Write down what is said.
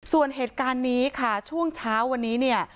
ส่วนเหตุการณ์นี้ค่ะช่วงเช้าวันนี้เนี่ย